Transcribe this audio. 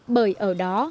bởi ở đó